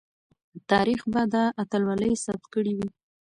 تاریخ به دا اتلولي ثبت کړې وي.